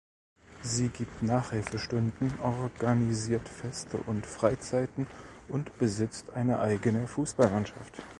Sie gibt Nachhilfestunden, organisiert Feste und Freizeiten und besitzt eine eigene Fußballmannschaft.